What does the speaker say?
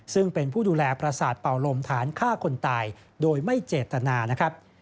ซึ่งเป็นผู้ดูแลประสาทเป่าลมฐานฆ่าคนตายโดยไม่เจตนานะครับ